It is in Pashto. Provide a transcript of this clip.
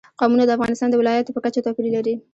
قومونه د افغانستان د ولایاتو په کچه توپیر لري.